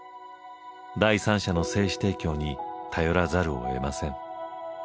第三者の精子提供に頼らざるを得ません。